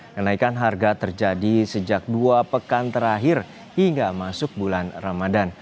kenaikan harga terjadi sejak dua pekan terakhir hingga masuk bulan ramadan